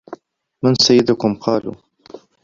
مَنْ سَيِّدكُمْ ؟ قَالُوا